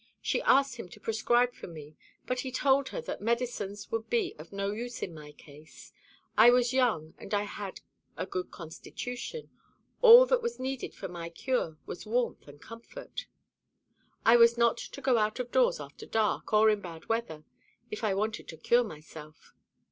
She asked him to prescribe for me; but he told her that medicines would be of no use in my case. I was young, and I had a good constitution. All that was needed for my cure was warmth and comfort. I was not to go out of doors after dark, or in bad weather, if I wanted to cure myself.